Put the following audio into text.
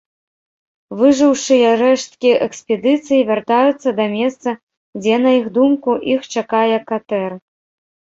Выжыўшыя рэшткі экспедыцыі вяртаюцца да месца, дзе, на іх думку, іх чакае катэр.